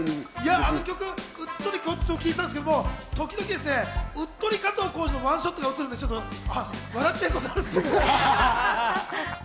曲、うっとり聴いていたんですけど、時々うっとり加藤浩次のワンショットが映るんですけど、笑っちゃいそうになるんです。